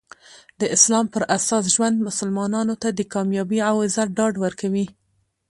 د اسلام پراساس ژوند مسلمانانو ته د کامیابي او عزت ډاډ ورکوي.